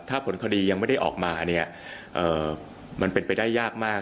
ถ้าผลคดียังไม่ได้ออกมาเนี่ยมันเป็นไปได้ยากมาก